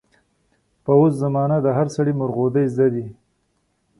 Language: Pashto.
په اوس زمانه د هر سړي مورغودۍ زده دي.